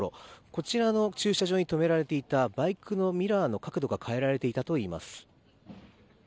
こちらの駐車場に止められていたバイクのミラーの角度が変えられていたといいます。